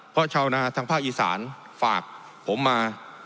เพราะชาวนาทางภาคอีสานฝากผมมา